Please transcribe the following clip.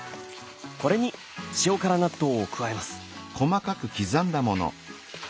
これに塩辛納豆を加えます。